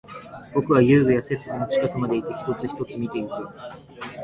僕は遊具や設備の近くまでいき、一つ、一つ見ていく